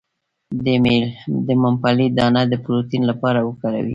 د ممپلی دانه د پروتین لپاره وکاروئ